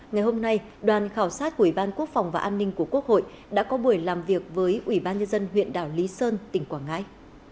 ngày hôm nay đoàn khảo sát của ủy ban quốc phòng và an ninh của quốc hội đã có buổi làm việc với ủy ban nhân dân huyện đảo lý sơn tỉnh quảng ngãi